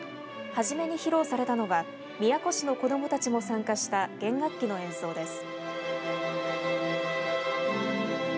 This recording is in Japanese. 初めに披露されたのは宮古市の子どもたちも参加した弦楽器の演奏です。